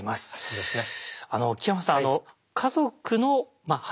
そうですよね。